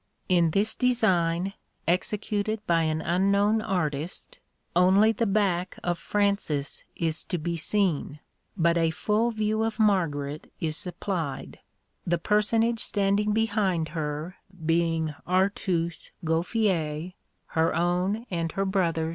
(2) In this design executed by an unknown artist only the back of Francis is to be seen, but a full view of Margaret is supplied; the personage standing behind her being Artus Gouffier, her own and her brother's governor.